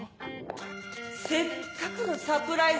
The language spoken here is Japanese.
せっかくのサプライズ